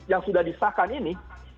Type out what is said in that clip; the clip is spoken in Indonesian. yang sudah disahkan ini